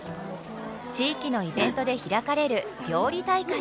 地域のイベントで開かれる料理大会。